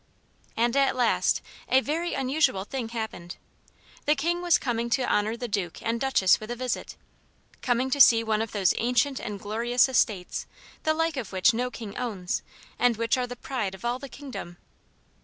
And at last a very unusual thing happened. The King was coming to honour the Duke and Duchess with a visit; coming to see one of those ancient and glorious estates the like of which no king owns, and which are the pride of all the kingdom.